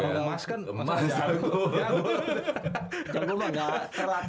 jago mah gak terlatih aja lah